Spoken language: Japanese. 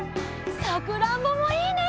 さくらんぼもいいね！